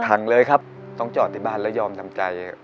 เลยครับต้องจอดที่บ้านแล้วยอมทำใจ